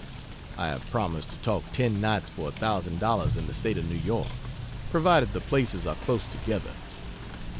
(I have promised to talk ten nights for a thousand dollars in the State of New York, provided the places are close together.)